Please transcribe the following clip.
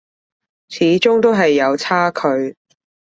始終都係有差距